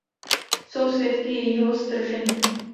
Jsou svědky jejího stržení.